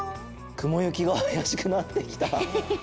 くもゆきがあやしくなってきた。